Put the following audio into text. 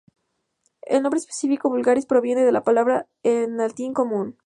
El nombre específico vulgaris proviene de la palabra en latín "común".